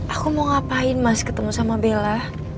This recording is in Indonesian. aku mau ngapain mas ketemu sama bella